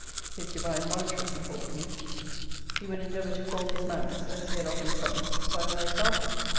His divine monitress, he called me. He would endeavour to form his manners (as he had often promised) by my example.